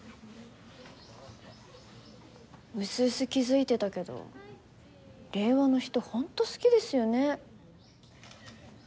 うすうす気付いてたけど令和の人ほんと好きですよねあれ。